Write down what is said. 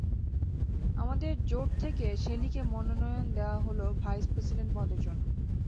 আমাদের জোট থেকে শেলীকে মনোনয়ন দেওয়া হলো ভাইস প্রেসিডেন্ট পদের জন্য।